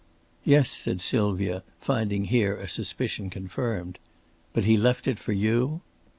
"Yes," said Sylvia, finding here a suspicion confirmed. "But he left it for you?"